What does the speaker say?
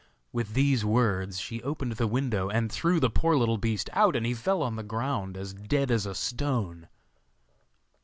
With these words she opened the window and threw the poor little beast out, and he fell on the ground as dead as a stone.